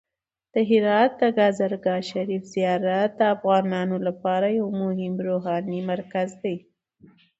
د هرات د کازرګاه شریف زیارت د افغانانو لپاره یو مهم روحاني مرکز دی.